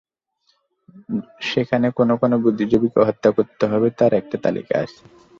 সেখানে কোন কোন বুদ্ধিজীবীকে হত্যা করতে হবে, তার একটা তালিকা আছে।